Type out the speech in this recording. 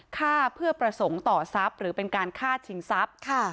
ฆ่าเพื่อประสงค์ต่อทรัพย์หรือเป็นการฆ่าชิงทรัพย์